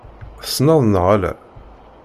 Tesneḍ neɣ ala?